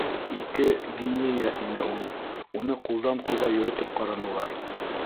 Ике гинея ине ул. Уны ҡулдан-ҡулға йөрөтөп ҡаранылар.